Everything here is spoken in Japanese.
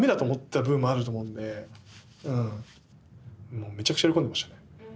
もうめちゃくちゃ喜んでましたね。